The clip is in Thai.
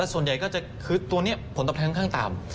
ส่วนใหญ่ก็จะคือตัวนี้ผลตอบแทนค่อนข้างต่ำ